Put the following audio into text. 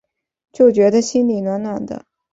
就觉得心里暖暖的